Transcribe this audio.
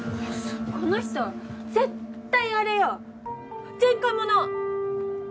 この人絶対あれよ前科者！